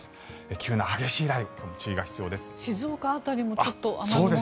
急な激しい雷雨に注意が必要です。